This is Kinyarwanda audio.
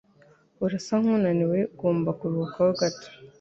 Urasa nkunaniwe. Ugomba kuruhuka gato.